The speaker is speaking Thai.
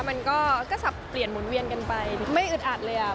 มันก็สับเปลี่ยนหมุนเวียนกันไปไม่อึดอัดเลยอ่ะ